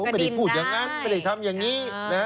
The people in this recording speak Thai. ไม่ได้พูดอย่างนั้นไม่ได้ทำอย่างนี้